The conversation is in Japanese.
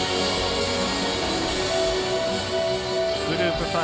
グループ５